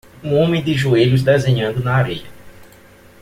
um homem de joelhos desenhando na areia